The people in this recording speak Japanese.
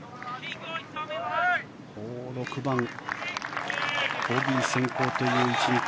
６番、ボギー先行という１日。